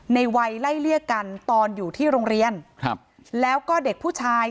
ในวัยไล่เลี่ยกันตอนอยู่ที่โรงเรียนครับแล้วก็เด็กผู้ชาย